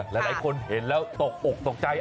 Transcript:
หลายคนเห็นแล้วตกอกตกใจ